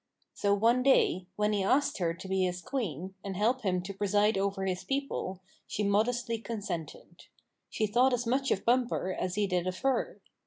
So one day, when he asked her to be his queen, and help him to preside over his people, she mod estly consented. She thought as much of Bumper as he did of her.